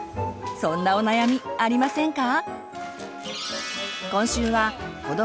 そんなお悩みありませんか？